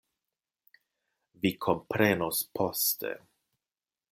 Vi komprenos poste.